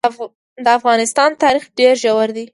د افغانستان تاریخ ډېر ژور دی.